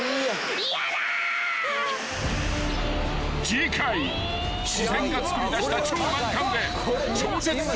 ［次回自然がつくり出した超難関で超絶絶景